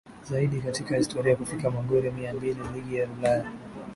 Zaidi katika historia kufikia magori mia mbili ligi ya Ulaya